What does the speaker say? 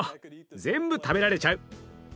全部食べられちゃう。